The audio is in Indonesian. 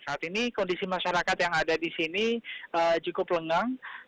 saat ini kondisi masyarakat yang ada di sini cukup lengang